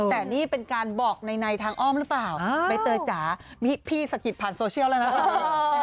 แต่นี่เป็นการบอกในทางอ้อมหรือเปล่าใบเตยจ๋าพี่สะกิดผ่านโซเชียลแล้วนะตอนนี้